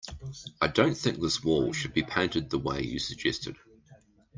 I don't think this wall should be painted the way you suggested.